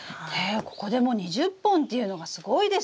ここで２０本っていうのがすごいですよね！